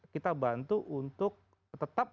kita bantu untuk tetap